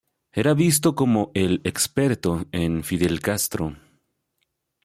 Era visto como el "experto" en Fidel Castro.